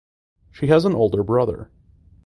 She has an older brother.